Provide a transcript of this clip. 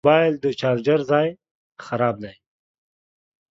زما د موبایل د چارجر ځای خراب دی